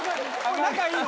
仲いいの？